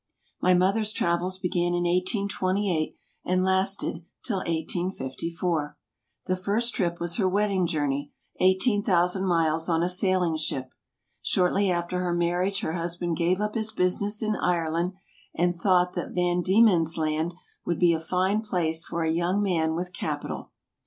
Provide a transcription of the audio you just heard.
My mother's travels began in 1828 and lasted till 1854. The first trip was her wedding journey, 18,000 miles on a sailing ship. Shortly after her marriage her hus band gave up his business in Ireland and thought that Van Diemen's Land would be a fine place for a young man with capi tal.